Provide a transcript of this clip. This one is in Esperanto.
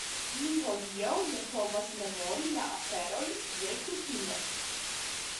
Mi hodiaŭ ne povas memori la aferojn kiel kutime.